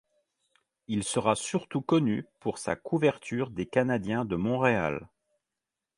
Il sera surtout connu pour sa couverture des Canadiens de Montréal.